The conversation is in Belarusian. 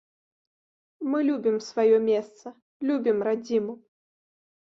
Мы любім сваё месца, любім радзіму.